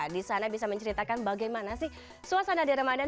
di sana bisa menceritakan bagaimana sih suasana di ramadan